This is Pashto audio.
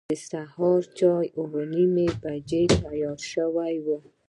د سهار چای اوه نیمې بجې تیار شوی و.